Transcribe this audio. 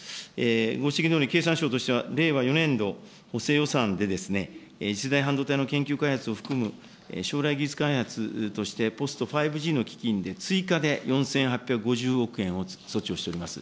ご指摘のように経産省としては、令和４年度補正予算で、次世代半導体の研究開発を含む将来技術開発としてポスト５Ｇの基金で追加で、４８５０億円を措置をしております。